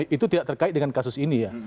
itu tidak terkait dengan kasus ini ya